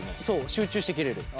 集中して切れる。